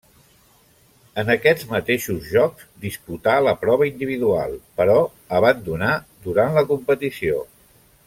En aquests mateixos Jocs disputà la prova individual, però abandonà durant la competició.